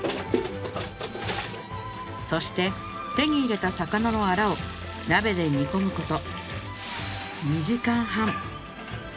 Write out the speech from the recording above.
そして手に入れた魚のアラを鍋で煮込むこと